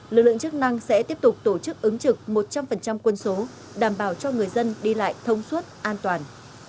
lực lượng chức năng sẽ tiếp tục tổ chức ứng trực một trăm linh quân số đảm bảo cho người dân đi lại thông suốt an toàn